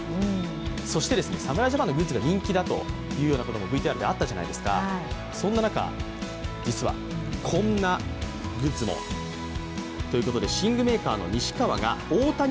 そして、侍ジャパンのグッズが人気だということもＶＴＲであったじゃないですか、そんな中、実はこんなグッズもということです。